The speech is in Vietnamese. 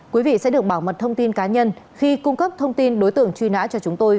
quý vị sẽ được bảo mật thông tin cá nhân khi cung cấp thông tin đối tượng truy nã cho chúng tôi